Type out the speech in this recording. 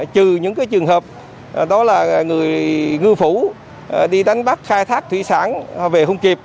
trừ những trường hợp đó là người ngư phủ đi đánh bắt khai thác thủy sản về không kịp